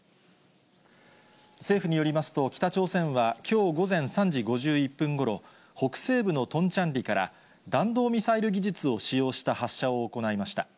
政府によりますと、北朝鮮はきょう午前３時５１分ごろ、北西部のトンチャンリから、弾道ミサイル技術を使用した発射を行いました。